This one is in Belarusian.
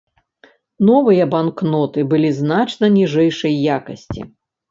Новыя банкноты былі значна ніжэйшай якасці.